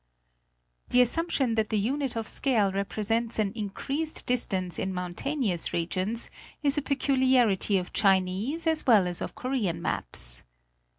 The assumption that the unit of scale represents an increased distance in mountainous regions is a peculiarity of Chinese as well as of Korean maps.